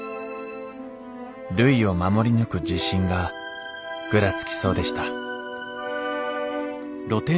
るいを守り抜く自信がぐらつきそうでした